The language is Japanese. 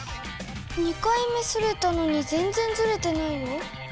２回目刷れたのに全然ずれてないの？